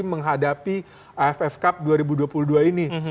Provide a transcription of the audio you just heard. menghadapi aff cup dua ribu dua puluh dua ini